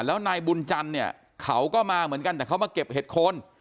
แล้วนายบุญจันทร์เนี่ยเขาก็มาเหมือนกันแต่เขามาเก็บเห็ดโคน